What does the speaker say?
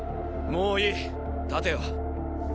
もういい立てよ。